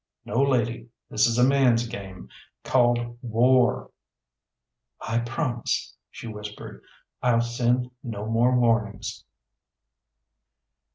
"No, lady, this is a man's game, called war!" "I promise," she whispered, "I'll send no more warnings."